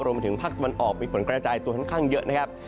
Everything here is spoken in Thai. มาถึงภาคตะวันออกมีฝนกระจายตัวค่อนข้างเยอะนะครับ